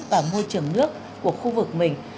và môi trường nước của khu vực mình